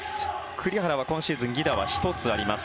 栗原は今シーズン犠打は１つあります。